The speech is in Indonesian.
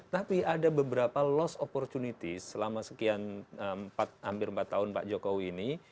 tapi ada beberapa loss opportunity selama sekian hampir empat tahun pak jokowi ini